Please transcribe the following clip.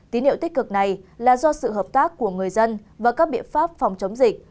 tín hiệu tích cực này là do sự hợp tác của người dân và các biện pháp phòng chống dịch